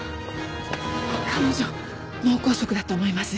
彼女脳梗塞だと思います。